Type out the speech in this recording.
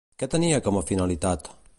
Què tenia com a finalitat?